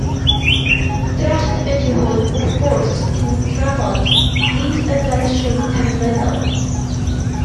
Drafft ydy hwn wrth gwrs i'w drafod, nid y fersiwn terfynol